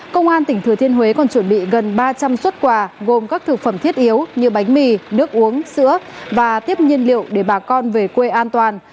công an tỉnh thừa thiên huế còn chuẩn bị gần ba trăm linh xuất quà gồm các thực phẩm thiết yếu như bánh mì nước uống sữa và tiếp nhiên liệu để bà con về quê an toàn